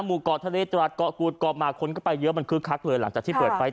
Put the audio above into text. หมู่เกาะทะเลตรัสเกาะกูดเกาะมาคนก็ไปเยอะมันคึกคักเลยหลังจากที่เปิดไป